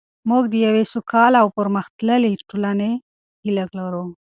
موږ د یوې سوکاله او پرمختللې ټولنې هیله لرو.